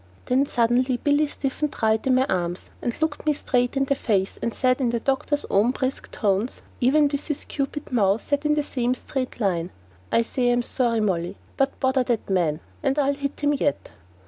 Then suddenly Billy stiffened right in my arms, and looked me straight in the face, and said in the doctor's own brisk tones, even with his Cupid mouth set in the same straight line "I say I'm sorry, Molly, but bother that man, and I'll hit him yet!"